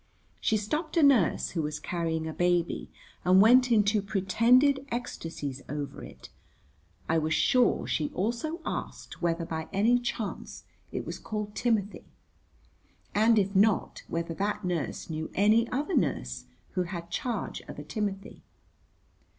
She stopped a nurse who was carrying a baby and went into pretended ecstasies over it. I was sure she also asked whether by any chance it was called Timothy. And if not, whether that nurse knew any other nurse who had charge of a Timothy.